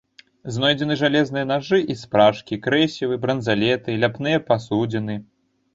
Знойдзены жалезныя нажы і спражкі, крэсівы, бранзалеты, ляпныя пасудзіны.